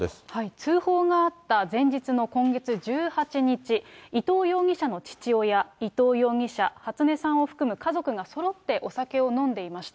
通報があった前日の今月１８日、伊藤容疑者の父親、伊藤容疑者、初音さんを含む家族がそろってお酒を飲んでいました。